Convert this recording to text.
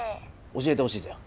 教えてほしいぜよ。